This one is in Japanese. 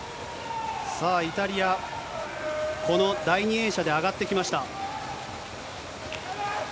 さあ、イタリア、この第２泳者で上がってきました。